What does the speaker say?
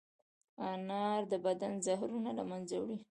انار د بدن زهرونه له منځه وړي.